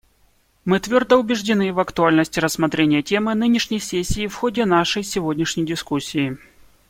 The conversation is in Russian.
Мы твердо убеждены в актуальности рассмотрения темы нынешней сессии в ходе нашей сегодняшней дискуссии.